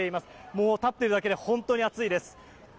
もう立っているだけで本当に暑いです。